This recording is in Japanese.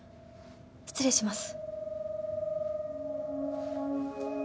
失礼します。